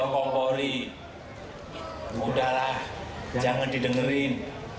jangan sampai mudah lah jangan didengerin